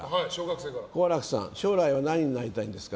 好楽さん、将来は何になりたいんですか？